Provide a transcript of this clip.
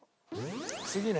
次ね。